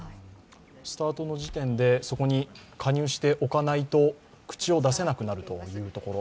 スタートの時点で、そこに加入しておかないと口を出せなくなるというところ。